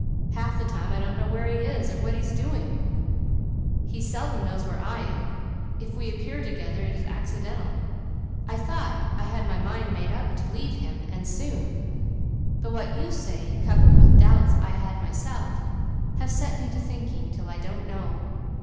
Half the time I don't know where he is, or what he is doing; he seldom knows where I am; if we appear together it is accidental; I thought I had my mind made up to leave him, and soon; but what you say, coupled with doubts I had myself, have set me to thinking, till I don't know.